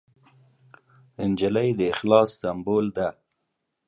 نجلۍ د اخلاص سمبول ده.